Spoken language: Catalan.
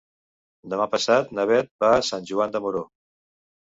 Demà passat na Beth va a Sant Joan de Moró.